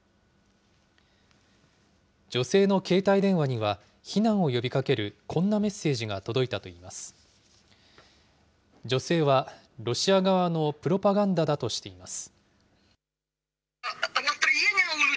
女性の携帯電話には、避難を呼びかけるこんなメッセージが届いたといいます。